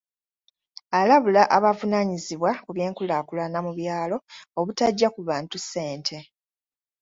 Alabula abavunaanyizibwa ku by'enkulaakulana mu byalo obutajja ku bantu ssente.